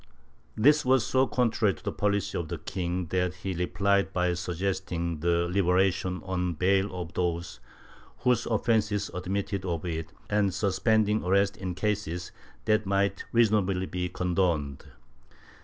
This was so contrary to the policy of the king that he replied by suggesting the liberation on bail of those whose offences admitted of it, and suspending arrest in cases that might reasonably be condoned.